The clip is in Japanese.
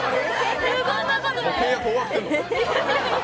もう契約終わってんの？